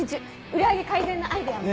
売り上げ改善のアイデアも。